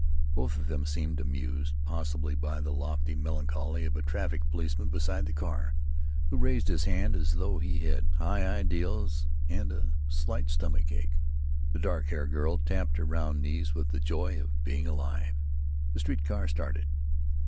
Both of them seemed amused, possibly by the lofty melancholy of a traffic policeman beside the car, who raised his hand as though he had high ideals and a slight stomach ache. The dark haired girl tapped her round knees with the joy of being alive. The street car started.